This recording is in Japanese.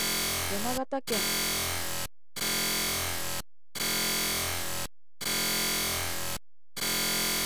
山梨県山中湖村